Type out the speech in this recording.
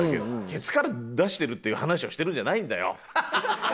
ケツから出してるっていう話をしてるんじゃないんだよ！